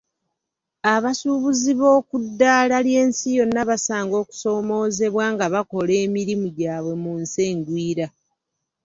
Abasuubuzi b'okuddala ly'ensi yonna basanga okusomoozebwa nga bakola emirimu gyabwe mu nsi engwira.